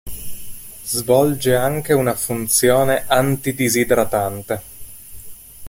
Svolge anche una funzione anti-disidratante.